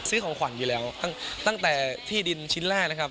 ซื้อของขวัญอยู่แล้วตั้งแต่ที่ดินชิ้นแรกนะครับ